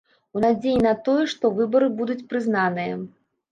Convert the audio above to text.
У надзеі на тое, што выбары будуць прызнаныя.